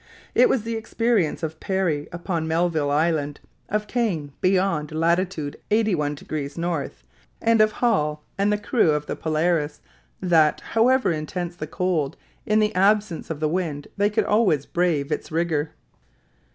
It was the experience of Parry upon Melville Island, of Kane beyond latitude 81 degrees north, and of Hall and the crew of the Polaris, that, however intense the cold, in the absence of the wind they could always brave its rigor.